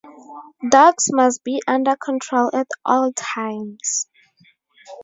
Dogs must be under control at all times.